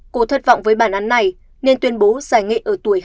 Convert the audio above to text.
cô thất vọng với bản án này nên tuyên bố giải nghị ở tuổi hai mươi